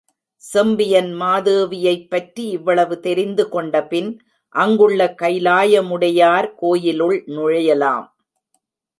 செம்பியன் மாதேவியைப்பற்றி இவ்வளவு தெரிந்து கொண்டபின் அங்குள்ள கைலாயமுடையார் கோயிலுள் நுழையலாம்.